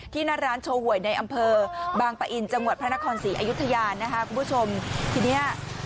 หน้าร้านโชว์หวยในอำเภอบางปะอินจังหวัดพระนครศรีอยุธยานะคะคุณผู้ชมทีเนี้ย